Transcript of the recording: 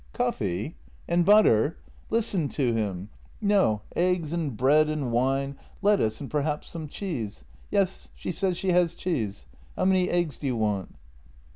"Coffee! and butter! Listen to him! No, eggs and bread and wine, lettuce and perhaps some cheese. Yes, she says she has cheese. How many eggs do you want?